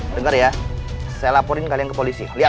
denger ya saya laporin kalian ke polisi lihat